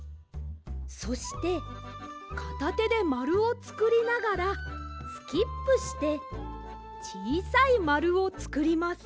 そしてかたてでまるをつくりながらスキップしてちいさいまるをつくります。